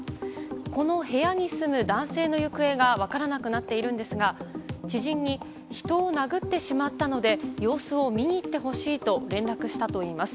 この部屋に住む男性の行方が分からなくなっているんですが知人に、人を殴ってしまったので様子を見に行ってほしいと連絡したといいます。